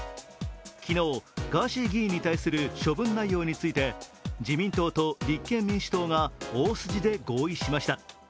昨日、ガーシー議員に対する処分内容について昨日、自民党と立憲民主党が大筋で合意しました。